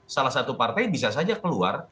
salah satu partai bisa saja keluar